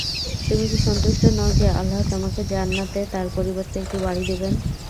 তুমি কি সন্তুষ্ট নও যে, আল্লাহ তোমাকে জান্নাতে তার পরিবর্তে একটি বাড়ী দিবেন।